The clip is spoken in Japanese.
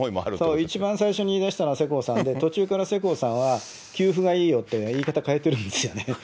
そう、一番最初に言いだしたのは世耕さんで、途中から世耕さんは給付がいいよって言い方変えてるんですよね。